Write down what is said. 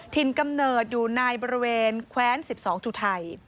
กำเนิดอยู่ในบริเวณแคว้น๑๒จุดไทย